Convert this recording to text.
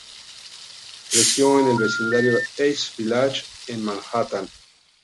Creció en el vecindario de East Village en Manhattan.